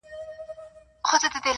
هر وختي ته نـــژدې كـيــږي دا.!